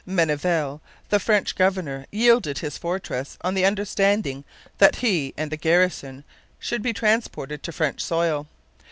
Menneval, the French governor, yielded his fortress on the understanding that he and the garrison should be transported to French soil.